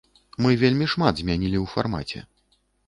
Мы вельмі шмат змянілі ў фармаце.